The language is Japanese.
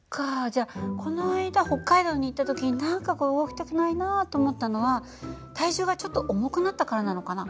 じゃこの間北海道に行った時何かこう動きたくないなと思ったのは体重がちょっと重くなったからなのかな？